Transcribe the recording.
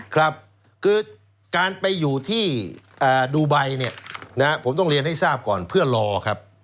ครับคือการไปอยู่ที่ดูไบเนี่ยนะผมต้องเรียนให้ทราบก่อนเพื่อรอครับ